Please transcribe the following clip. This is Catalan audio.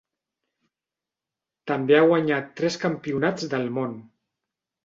També ha guanyat tres campionats del món.